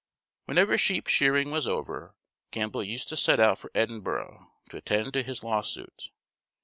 Whenever sheep shearing was over, Campbell used to set out for Edinburgh to attend to his lawsuit.